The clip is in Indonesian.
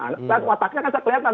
nah saat wataknya kakak kelihatan